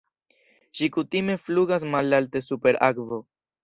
Ĝi kutime flugas malalte super akvo.